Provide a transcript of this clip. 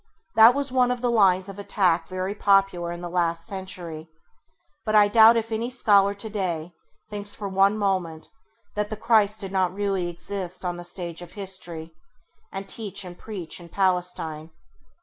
That was one of the lines of attack very popular in the last century, but I doubt if any scholar today thinks for one moment that the Christ did not really exist on the stage of history, and teach and preach in Palestine.